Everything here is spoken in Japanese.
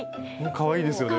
かわいいですよね。